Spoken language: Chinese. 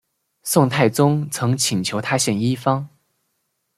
宋太宗曾请求他献医方。